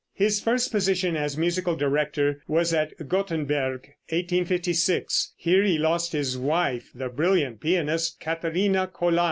His first position as musical director was at Gothenberg, 1856. Here he lost his wife, the brilliant pianist Katharina Kolar.